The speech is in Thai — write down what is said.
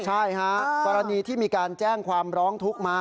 ใช่ฮะกรณีที่มีการแจ้งความร้องทุกข์มา